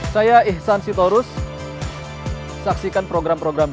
saya ihsan sitorus saksikan program program